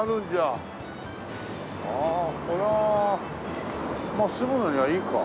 あっこれはまあ住むのにはいいか。